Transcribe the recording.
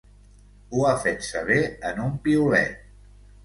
Ho ha fet saber en un piulet.